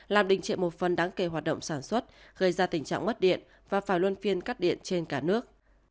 làm đình trệ một phần đáng kể hoạt động sản xuất gây ra tình trạng mất điện và phải luân phiên cắt điện trên cả nước